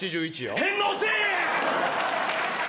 返納せえや！